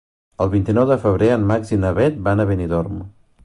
El vint-i-nou de febrer en Max i na Bet van a Benidorm.